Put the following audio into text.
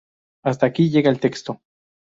Hasta aquí llega el texto.